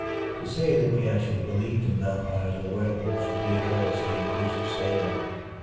To say that we actually believed in vampires or werewolves would be a carelessly inclusive statement.